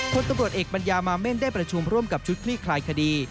คนตำรวจเอกปัญญามาเม่นได้ประชุมร่วมกับชุดคลี่คลายคดี